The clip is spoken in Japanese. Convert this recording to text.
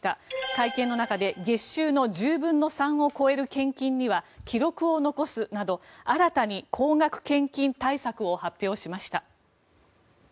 会見の中で月収の１０分の３を超える献金には記録を残すなど新たに高額献金対策を発表しました。